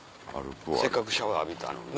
せっかくシャワー浴びたのに。